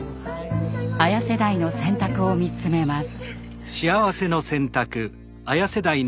ＡＹＡ世代の選択を見つめます。